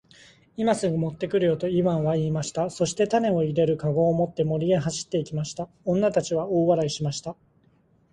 「今すぐ持って来るよ。」とイワンは言いました。そして種を入れる籠を持って森へ走って行きました。女たちは大笑いしました。